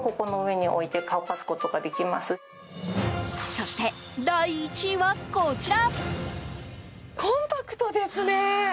そして第１位はこちら。